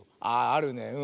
ああるね。